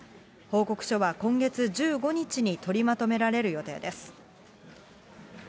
報告書は今月１５日に取りまとめられる予定です。